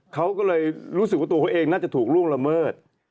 เขาก็เลยรู้สึกว่าตัวเขาเองน่าจะถูกล่วงละเมิด